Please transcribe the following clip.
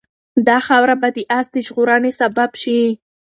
دا خاوره به د آس د ژغورنې سبب شي.